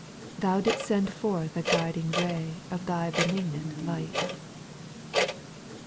Thou didst send forth a guiding ray Of Thy benignant light :— 2.